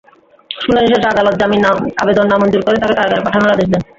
শুনানি শেষে আদালত জামিন আবেদন নামঞ্জুর করে তাঁকে কারাগারে পাঠানোর আদেশ দেন।